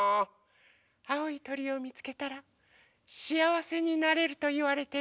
あおいとりをみつけたらしあわせになれるといわれているの。